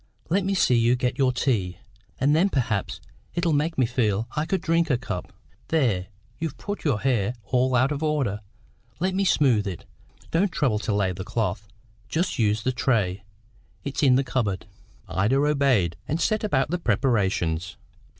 Let me see you get your tea, and then perhaps it'll make me feel I could drink a cup. There, you've put your hair all out of order; let me smooth it. Don't trouble to lay the cloth; just use the tray; it's in the cupboard." Ida obeyed, and set about the preparations.